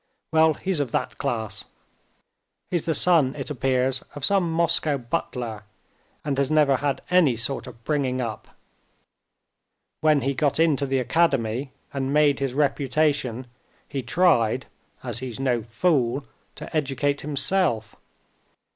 Well, he's of that class. He's the son, it appears, of some Moscow butler, and has never had any sort of bringing up. When he got into the academy and made his reputation he tried, as he's no fool, to educate himself.